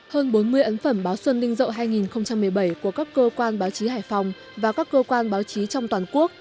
hơn bốn mươi ấn phẩm báo xuân ninh rậu hai nghìn một mươi bảy của các cơ quan báo chí hải phòng và các cơ quan báo chí trong toàn quốc